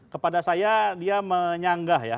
kepada saya dia menyanggah ya